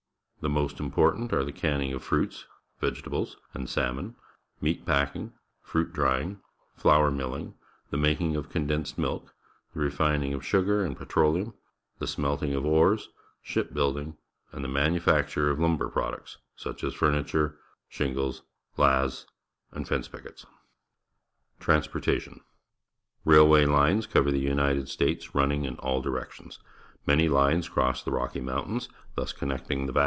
The most important are the canning of fruits, ^•egetablesJ_ and salmon , meat packing, fruit drying, flour milling, the making of conileused milk, the refining of sugar and petroleum, the smelting of ores, sHip building, and themiuiufacture of lumber products, such as furniture, shin gles»Jaths, and fence pickets. Transportation. — Railway lines cover the L'^nited States, running in all directions. ]\lany lines cross the Rocky Mountains, thus connecting the va.